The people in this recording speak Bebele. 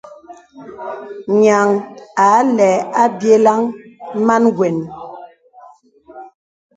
Nyaŋ a lɛ̂ àbyə̀laŋ màn wən.